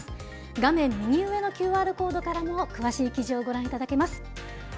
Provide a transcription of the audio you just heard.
画面右上のＱＲコードからも詳しい記事をご覧いただけます。